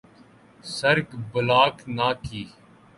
سڑک بلاک نہ کی۔